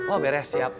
oh beres siap